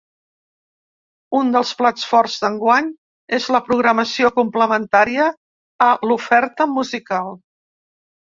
Un dels plats forts d’enguany és la programació complementària a l’oferta musical.